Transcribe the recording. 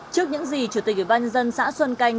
trước những gì chủ tịch ủy ban nhân dân xã xuân canh